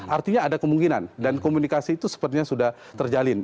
artinya ada kemungkinan dan komunikasi itu sepertinya sudah terjalin